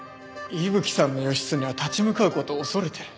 伊吹さんの義経は立ち向かう事を恐れてる。